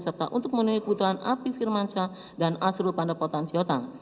serta untuk menuhi kebutuhan apif kirmansyah dan asrul pandapota asyatan